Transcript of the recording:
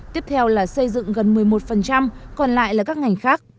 tiếp theo là xây dựng gần một mươi một còn lại là các ngành khác